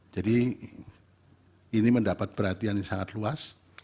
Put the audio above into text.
jadi ini mendapat perhatian yang sangat luas